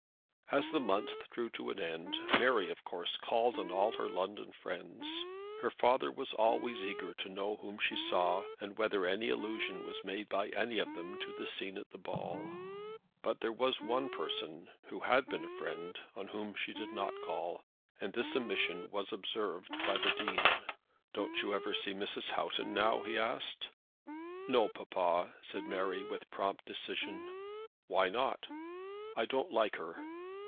As the month drew to an end Mary, of course, called on all her London friends. Her father was always eager to know whom she saw, and whether any allusion was made by any of them to the scene at the ball. But there was one person, who had been a friend, on whom she did not call, and this omission was observed by the Dean. "Don't you ever see Mrs. Houghton now?" he asked. "No, papa," said Mary, with prompt decision. "Why not?" "I don't like her."